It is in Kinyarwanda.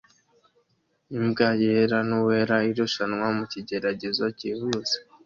Imbwa yera nuwera irushanwa mukigeragezo cyihuse